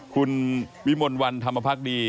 คุณวิมลวันธรรมภักดี